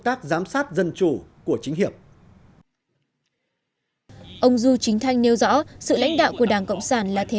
tác giám sát dân chủ của chính hiệp ông du chính thanh nêu rõ sự lãnh đạo của đảng cộng sản là thế